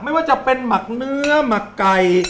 ไม่ว่าจะเป็นหมักเนื้อหมักไก่